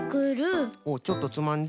おっちょっとつまんで。